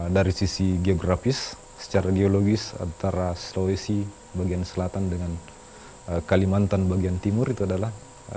dari sisi geografis secara geologis antara sulawesi bagian selatan dengan kalimantan bagian timur itu adalah